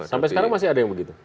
sampai sekarang masih ada yang begitu